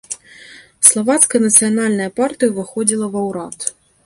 Славацкая нацыянальная партыя ўваходзіла ва ўрад.